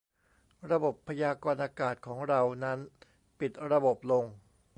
ระบบพยากรณ์อากาศของเรา นั้นปิดระบบลง